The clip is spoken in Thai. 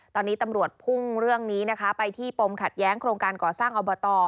ตอนนี้ตำรวจพุ่งเรื่องนี้นะคะไปที่ปมขัดแย้งโครงการก่อสร้างอบต